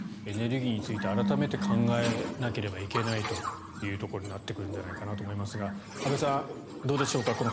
エネルギーについて改めて考えなければいけないということになってくるんだと思いますが安部さん、どうでしょうか。